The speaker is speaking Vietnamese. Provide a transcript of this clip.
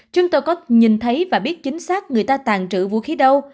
chúng tôi có nhìn thấy và biết chính xác người ta tàn trữ vũ khí đâu